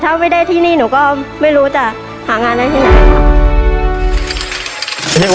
ถ้าไม่ได้ที่นี่หนูก็ไม่รู้จะหางานได้ที่ไหนค่ะ